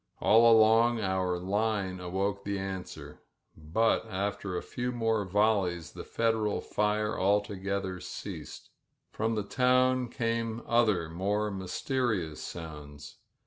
All along our line awoke the answer, but after a few more volleys the Federal fire altogether ceased. From the town came other, more mysteri ous sounds.